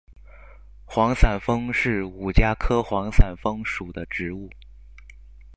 幌伞枫是五加科幌伞枫属的植物。